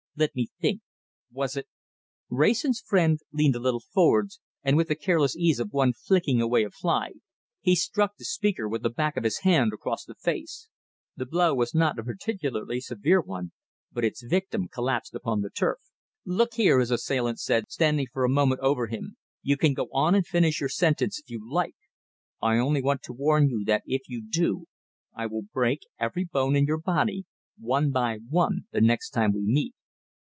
Let me think! Was it " Wrayson's friend leaned a little forwards, and with the careless ease of one flicking away a fly, he struck the speaker with the back of his hand across the face. The blow was not a particularly severe one, but its victim collapsed upon the turf. "Look here," his assailant said, standing for a moment over him, "you can go on and finish your sentence if you like. I only want to warn you, that if you do, I will break every bone in your body, one by one, the next time we meet.